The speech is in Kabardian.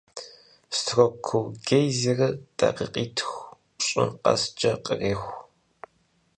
Строккур гейзерыр дакъикъитху-пщӏы къэскӀэ къреху.